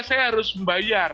saya harus membayar